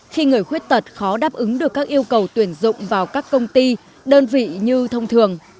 khi người khuyết tật khó đáp ứng được các yêu cầu tuyển dụng vào các công ty đơn vị như thông thường